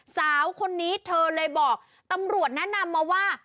สาวคนนี้เธอเลยบอกตำรวจแนะนำมาว่า